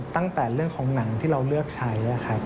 ตั้งแต่เรื่องของหนังที่เราเลือกใช้ครับ